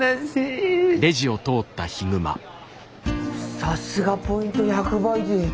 さすがポイント１００倍デー。